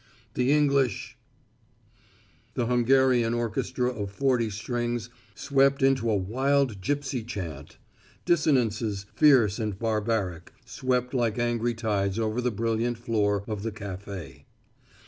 The English " The Hungarian orchestra of forty strings swept into a wild gipsy chant. Dissonances, fierce and barbaric, swept like angry tides over the brilliant floor, of the café.